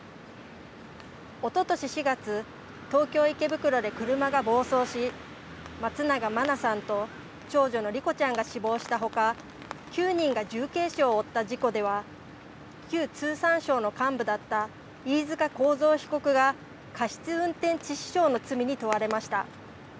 おととし４月、東京池袋で車が暴走し松永真菜さんと長女の莉子ちゃんが死亡したほか９人が重軽傷を負った事故では旧通産省の幹部だった飯塚幸三被告が過失運転致死傷の罪に問われました。